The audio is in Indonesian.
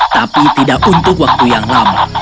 tapi tidak untuk waktu yang lama